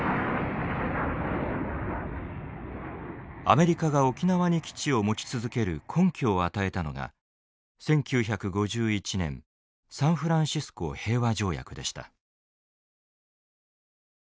アメリカが沖縄に基地を持ち続ける根拠を与えたのが１９５１年サンフランシスコ平和条約でした。